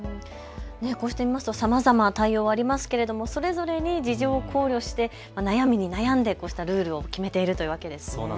こうして見ますとさまざま対応ありますけどそれぞれに事情を考慮して悩みに悩んでこうしたルールを決めているというわけですね。